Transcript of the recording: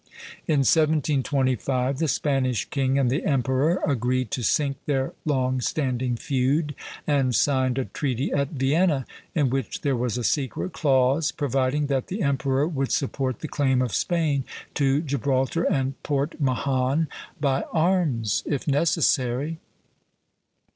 In 1725, the Spanish king and the emperor agreed to sink their long standing feud, and signed a treaty at Vienna, in which there was a secret clause providing that the emperor would support the claim of Spain to Gibraltar and Port Mahon, by arms if necessary.